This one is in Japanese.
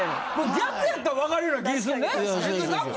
逆やったらわかるような気するね。